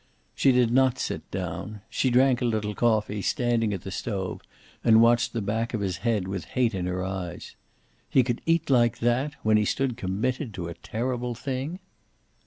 She did not sit down. She drank a little coffee, standing at the stove, and watched the back of his head with hate in her eyes. He could eat like that, when he stood committed to a terrible thing!